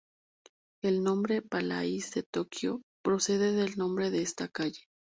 El nombre "Palais de Tokyo" procede del nombre de esta calle.